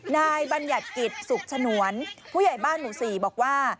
นายบรรยัติกิจสุขฉนวรผู้ใหญ่บ้านหมู่สี่บอกว่า